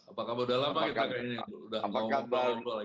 apa kabar udah lama kita kayaknya